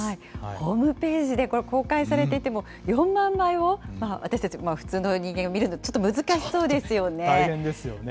ホームページで公開されていても、４万枚を、私たち普通の人間が見るのってちょっと難しそうですよ大変ですよね。